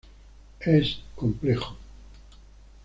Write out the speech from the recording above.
Es complejo.